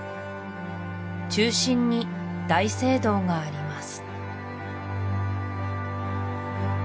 中心に大聖堂があります